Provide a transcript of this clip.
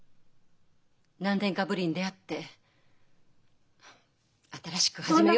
何年かぶりに出会って新しく始めようと。